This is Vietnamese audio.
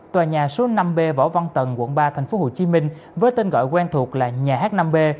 tòa nhà số năm b võ văn tần quận ba tp hcm với tên gọi quen thuộc là nhà h năm b